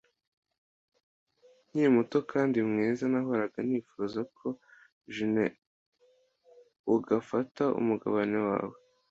nkiri muto kandi mwiza. Nahoraga nifuza ko jine ugafata umugabane wawe,